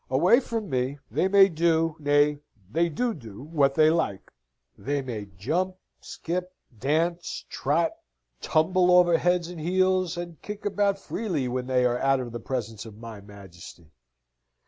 Away from me they may do, nay, they do do, what they like. They may jump, skip, dance, trot, tumble over heads and heels, and kick about freely, when they are out of the presence of my majesty.